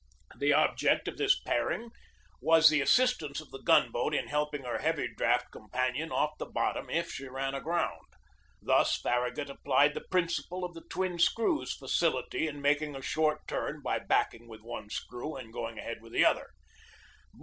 The ob ject of this pairing was the assistance of the gun boat in helping her heavy draught companion off the bottom if she ran aground. Thus Farragut applied the principle of the twin screws' facility in making a short turn by backing with one screw and going ahead with the other.